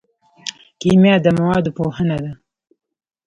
کیمیا د موادو پوهنه ده